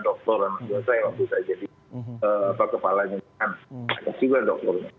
doktor anak anak saya waktu saya jadi kepala ada tiga doktor